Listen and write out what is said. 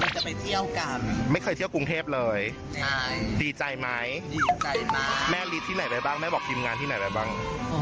จะไปเที่ยวกันไม่เคยเที่ยวกรุงเทพเลยดีใจไหมดีใจนะแม่ลีดที่ไหนไปบ้างแม่บอกทีมงานที่ไหนไปบ้าง